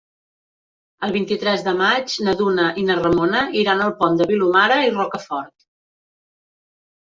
El vint-i-tres de maig na Duna i na Ramona iran al Pont de Vilomara i Rocafort.